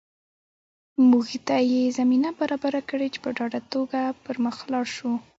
موږ ته یې زمینه برابره کړې چې په ډاډه توګه پر مخ لاړ شو